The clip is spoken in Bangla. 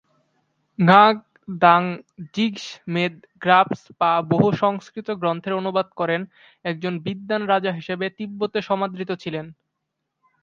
ঙ্গাগ-দ্বাং-'জিগ্স-মেদ-গ্রাগ্স-পা বহু সংস্কৃত গ্রন্থের অনুবাদ করেন এবং একজন বিদ্বান রাজা হিসেবে তিব্বতে সমাদৃত ছিলেন।